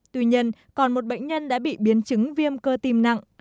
tuy nhiên còn một bệnh nhân đã bị biến chứng viêm cơ tim nặng